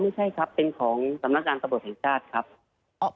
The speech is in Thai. ไม่ใช่ครับเป็นของสำนักการณ์กระบวนภัยชาติครับ